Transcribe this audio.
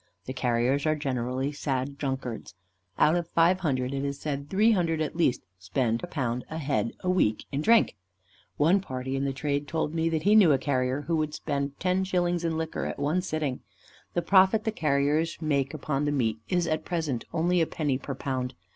The carriers are generally sad drunkards. Out of five hundred it is said three hundred at least spend £1 a head a week in drink. One party in the trade told me that he knew a carrier who would spend 10_s._ in liquor at one sitting. The profit the carriers make upon the meat is at present only a penny per pound.